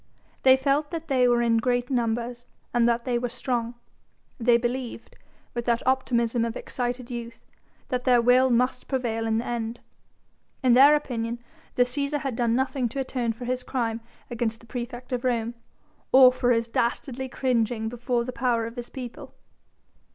They felt that they were in great numbers and that they were strong: they believed with that optimism of excited youth that their will must prevail in the end. In their opinion the Cæsar had done nothing to atone for his crime against the praefect of Rome, or for his dastardly cringing before the power of his people.